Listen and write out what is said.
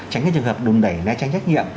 tránh cái trường hợp đùn đẩy né tránh trách nhiệm